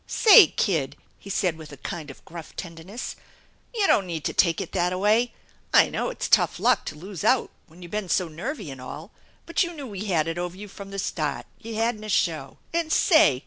" Say, kid/' he said, with a kind of gruff tenderness, " you don't need to take it that a way. I know it's tough luck to lose out when you been so nervy and all, but you knew we had it over you from the start. You hadn't a show. And say